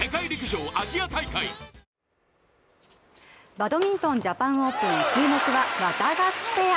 バドミントン、ジャパンオープン注目は、ワタガシペア。